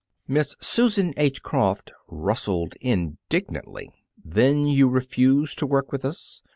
Miss Susan H. Croft rustled indignantly. "Then you refuse to work with us?